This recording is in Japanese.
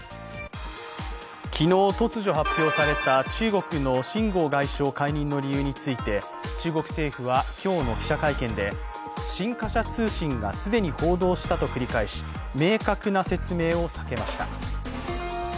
昨日、突如発表された中国の秦剛外相解任の理由について中国政府は今日の記者会見で新華社通信が既に報道したと繰り返し明確な説明を避けました。